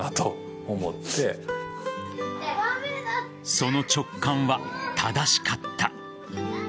その直感は正しかった。